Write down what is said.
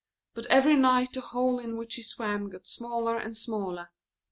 But every night the opening in which he swam became smaller and smaller.